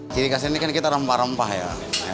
jadi kasian ini kan kita rempah rempah ya